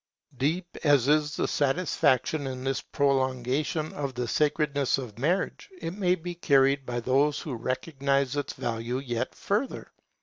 Deep as is the satisfaction in this prolongation of the sacredness of marriage, it may be carried by those who recognize its value yet further.